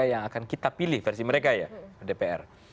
yang akan kita pilih versi mereka ya dpr